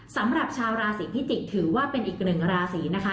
สำหรับชาวราศีพิจิกษ์ถือว่าเป็นอีกหนึ่งราศีนะคะ